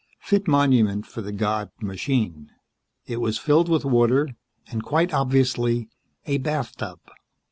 Fit monument for the god, machine. It was filled with water, and quite obviously a bathtub.